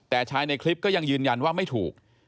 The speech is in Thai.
แต่ชายในคลิปก็ยังยืนยันว่าไม่ถูก